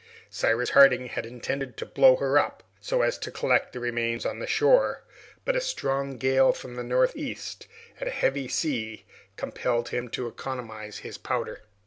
Cyrus Harding had intended to blow her up, so as to collect the remains on the shore, but a strong gale from the northeast and a heavy sea compelled him to economize his powder.